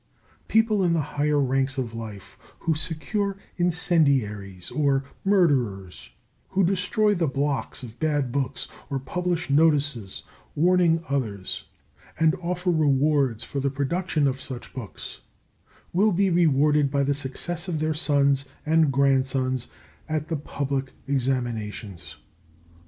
People in the higher ranks of life who secure incendiaries or murderers, who destroy the blocks of bad books, or publish notices warning others, and offer rewards for the production of such books, will be rewarded by the success of their sons and grandsons at the public examinations.